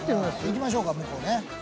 行きましょうか向こうね。